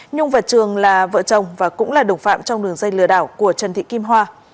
nhung và trường là vợ chồng và cũng là đồng phạm trong đường dây lừa đảo của trần thị kim hoa